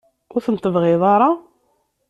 Ur tent-tebɣiḍ ara?